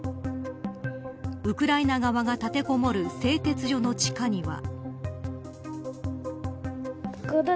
ウクライナ側が立てこもる製鉄所の地下には。